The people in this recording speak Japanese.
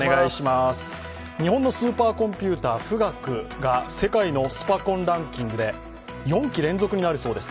日本のスーパーコンピュータ、富岳が世界のスパコンランキングで４期連続になるそうです。